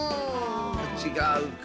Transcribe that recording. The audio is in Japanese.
ちがうか。